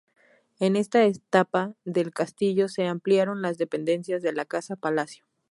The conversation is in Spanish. En esta etapa del Castillo se ampliaron las dependencias de la casa-palacio.